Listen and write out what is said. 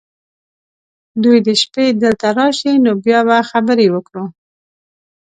دوی دې شپې دلته راشي ، نو بیا به خبرې وکړو .